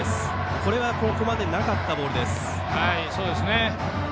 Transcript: これは、ここまでなかったボール。